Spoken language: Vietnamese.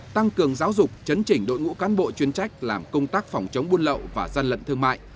tăng cường giáo dục chấn chỉnh đội ngũ cán bộ chuyên trách làm công tác phòng chống buôn lậu và gian lận thương mại